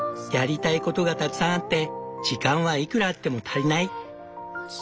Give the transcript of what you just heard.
やりたいことがたくさんあって時間はいくらあっても足りないっ！